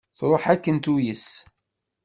Truḥ akken tuyes.